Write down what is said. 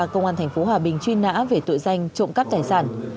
công an thành phố hòa bình truy nã về tội danh trộm cắt tài sản